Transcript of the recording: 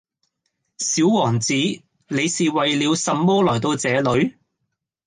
小王子，你是為了什麼來到這裏？